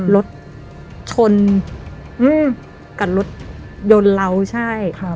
รถชนกับรถยนต์เราใช่